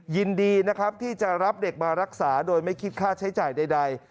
ยินดีที่รักได้มารักษาโดยไม่คิดค่าใช้จ่ายใด